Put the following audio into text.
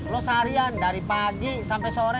lo seharian dari pagi sampai sore